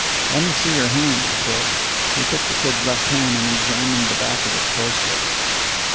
"Let me see your hand," he said. He took the Kid's left hand, and examined the back of it closely.